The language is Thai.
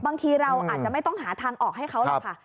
บางทีเราอาจจะไม่ต้องหาทางออกให้เขาหรอกค่ะ